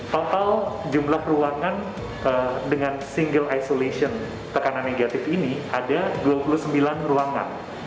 total jumlah ruangan dengan single isolation tekanan negatif ini ada dua puluh sembilan ruangan